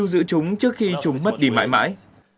chúng đã lưu giữ chúng trước khi chúng mất đi mãi mãi